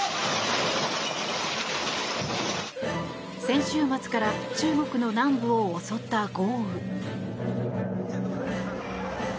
先週末から中国の南部を襲った豪雨。